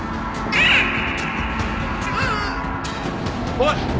おい！